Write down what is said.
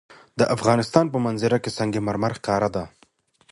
د افغانستان په منظره کې سنگ مرمر ښکاره ده.